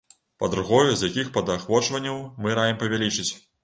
Па-другое, з якіх падахвочванняў мы раім павялічыць.